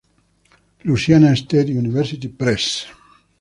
Louisiana State University Press.